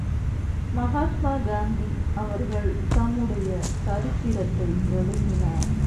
மகாத்மா காந்தி அவர்கள் தம்முடைய சரித்திரத்தை எழுதினார்.